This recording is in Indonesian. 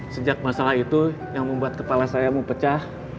sejak masalah itu yang membuat kepala saya mempecah